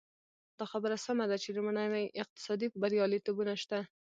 دا خبره سمه ده چې لومړني اقتصادي بریالیتوبونه شته.